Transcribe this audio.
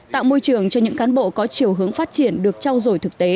tạo môi trường cho những cán bộ có chiều hướng phát triển được trao dổi thực tế